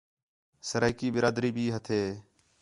سرائیکی برادری بھی ہتھے